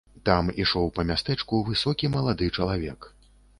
Там ішоў па мястэчку высокі малады чалавек.